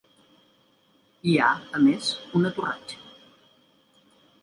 Hi ha, a més, una torratxa.